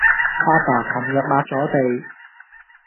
阿爸琴日抹咗地